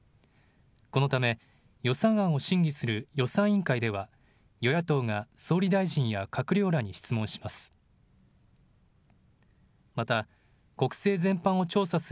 このため予算案を審議する予算委員会では与野党が総理大臣や閣僚らに質問します。